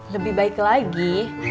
lebih baik lagi